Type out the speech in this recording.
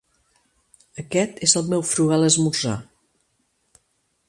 Aquest és el meu frugal esmorzar.